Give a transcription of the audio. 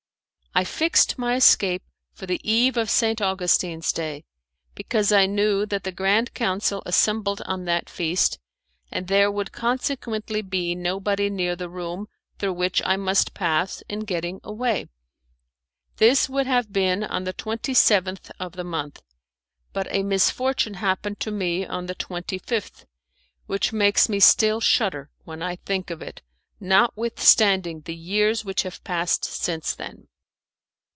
I fixed my escape for the eve of St. Augustine's Day, because I knew that the Grand Council assembled on that feast, and there would consequently be nobody near the room through which I must pass in getting away. This would have been on the twenty seventh of the month, but a misfortune happened to me on the twenty fifth which makes me still shudder when I think of it, notwithstanding the years which have passed since then.